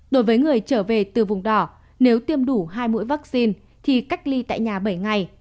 đối với người trở về từ vùng đỏ nếu tiêm đủ hai mũi vaccine thì cách ly tại nhà bảy ngày